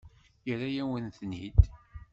Yerra-yawen-ten-id.